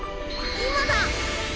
今だ！